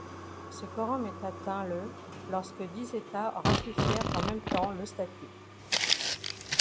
Ce quorum est atteint le lorsque dix États ratifièrent en même temps le Statut.